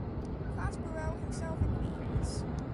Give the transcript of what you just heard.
Prospero himself agrees.